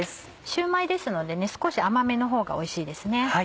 シューマイですので少し甘めのほうがおいしいですね。